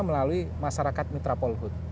melalui masyarakat mitra polkut